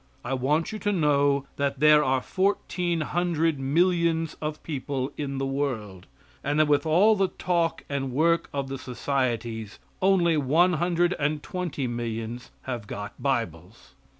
I want you to know that there are fourteen hundred millions of people in the world; and that with all the talk and work of the societies, only one hundred and twenty millions have got Bibles.